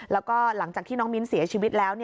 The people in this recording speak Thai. แล้วก็หลังจากที่น้องมิ้นเสียชีวิตแล้ว